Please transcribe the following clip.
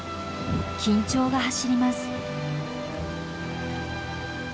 緊張が走ります。